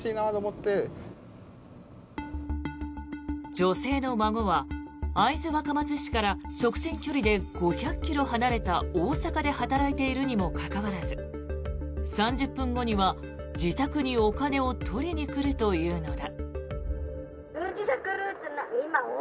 女性の孫は会津若松市から直線距離で５００ｋｍ離れた大阪で働いているにもかかわらず３０分後には自宅にお金を取りに来るというのだ。